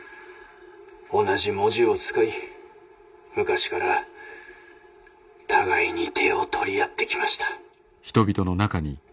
同じ文字を使い昔から互いに手を取り合ってきました」。